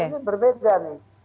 ini berbeda nih